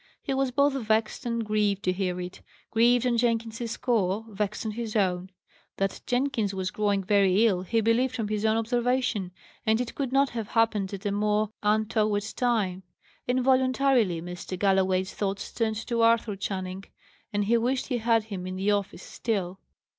He was both vexed and grieved to hear it; grieved on Jenkins's score, vexed on his own. That Jenkins was growing very ill, he believed from his own observation, and it could not have happened at a more untoward time. Involuntarily, Mr. Galloway's thoughts turned to Arthur Channing, and he wished he had him in the office still.